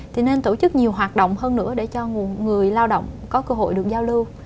thì nên tổ chức nhiều hoạt động hơn nữa để cho người lao động có cơ hội được giao lưu